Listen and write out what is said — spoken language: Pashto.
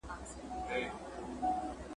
چي ازل یې قلم زما سره وهلی `